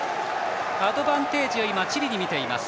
アドバンテージをチリに見ています。